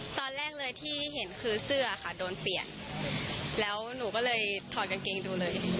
ตอนแรกเลยที่เห็นคือเสื้อค่ะโดนเปลี่ยนแล้วหนูก็เลยถอดกางเกงดูเลย